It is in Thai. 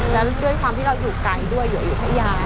แล้วด้วยความที่เราอยู่ไกลด้วยอยู่ให้ยาย